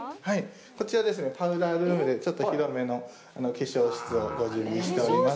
こちらですね、パウダールームでちょっと広めの化粧室をご準備しております。